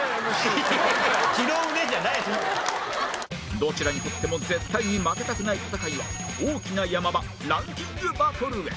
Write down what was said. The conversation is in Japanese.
どちらにとっても絶対に負けたくない戦いは大きな山場ランキングバトルへ